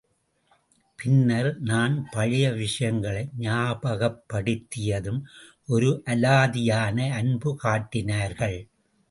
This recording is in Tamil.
பின்னர் நான் பழைய விஷயங்களை ஞாபகப்படுத்தியதும் ஒரு அலாதியான அன்பு காட்டினார்கள்.